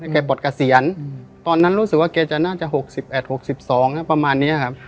แกบอดเกษียณตอนนั้นรู้สึกว่าแกจะน่าจะหกสิบแอดหกสิบสองครับประมาณเนี้ยครับ